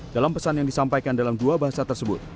dalam pesan yang disampaikan dalam dua bahasa tersebut